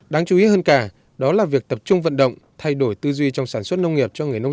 đáng chú ý hơn cả đó là việc tập trung vận động thay đổi tư duy trong sản xuất nông nghiệp